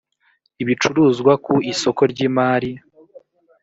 ibicuruzwa ku isoko ry imari